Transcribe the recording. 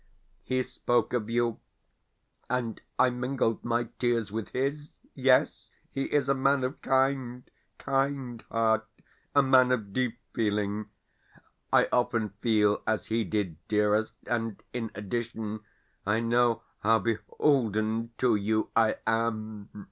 He spoke of you, and I mingled my tears with his. Yes, he is a man of kind, kind heart a man of deep feeling. I often feel as he did, dearest, and, in addition, I know how beholden to you I am.